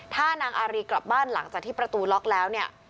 ถ้านางอารีกลับบ้านหลังจากที่ประตูล็อกแล้วเนี่ย